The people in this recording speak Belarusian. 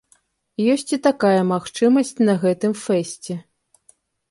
Ёсць і такая магчымасць на гэтым фэсце.